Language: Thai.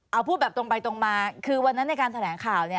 เอาพูดแบบตรงไปตรงมาคือวันนั้นในการแถลงข่าวเนี่ย